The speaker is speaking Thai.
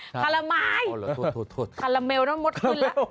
คาราไม้คาราเมลเริ่มมดขึ้นแล้ว